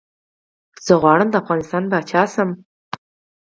زه غواړم ده افغانستان پاچا شم